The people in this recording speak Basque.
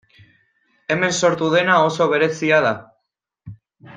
Hemen sortu dena oso berezia da.